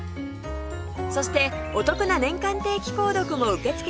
そしてお得な年間定期購読も受け付け中